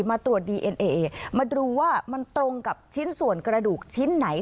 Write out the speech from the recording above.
มาตรวจดีเอ็นเอมาดูว่ามันตรงกับชิ้นส่วนกระดูกชิ้นไหน